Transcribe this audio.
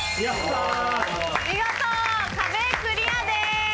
見事壁クリアです。